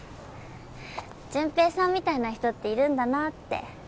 純平さんみたいな人っているんだなって。